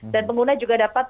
dan pengguna juga dapat